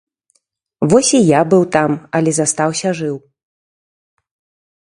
Вось і я быў там, але застаўся жыў.